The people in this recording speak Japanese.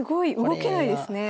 動けないですね。